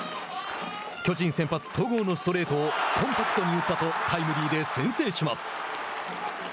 巨人先発、戸郷のストレートを「コンパクトに打った」とタイムリーで先制します。